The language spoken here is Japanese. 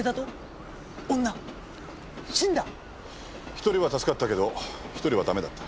１人は助かったけど１人はダメだった。